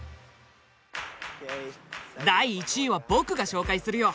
第１位は僕が紹介するよ。